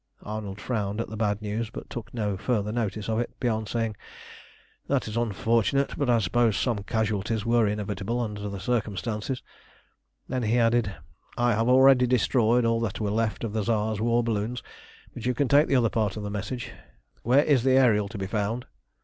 Arnold frowned at the bad news, but took no further notice of it beyond saying "That is unfortunate; but, I suppose, some casualties were inevitable under the circumstances." Then he added: "I have already destroyed all that were left of the Tsar's war balloons, but you can take the other part of the message. Where is the Ariel to be found?"